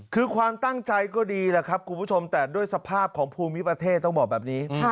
คือความตั้งใจก็ดีแต่ด้วยสภาพของภูมิประเทศต้องบอกแบบนี้